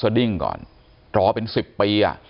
สดิ้งก่อนต่อเป็น๑๐ปีอ่ะ